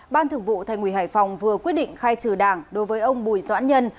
ban thực vụ tp hcm vừa quyết định khai trừ đảng đối với ông bùi doãn nhân